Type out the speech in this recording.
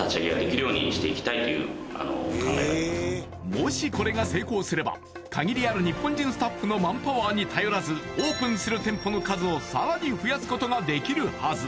もしこれが成功すれば限りある日本人スタッフのマンパワーに頼らずオープンする店舗の数をさらに増やすことができるはず